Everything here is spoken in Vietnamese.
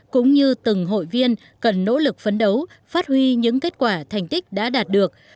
cũng như từng hội viên cần nỗ lực phấn đấu phát huy những kết quả thành tích đã đạt được